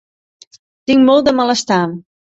Tinc molt de malestar.